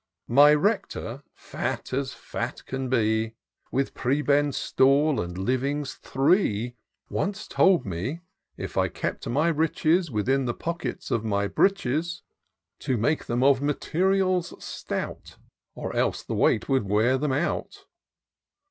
" My Rector, fat as fat can be, With prebend stall, and livings three, Once told me, if I kept my riches Within the pockets of my breeches, To make them of materials stout. Or else the weight would wear them out.